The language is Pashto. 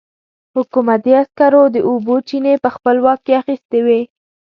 حکومتي عسکرو د اوبو چينې په خپل واک کې اخيستې وې.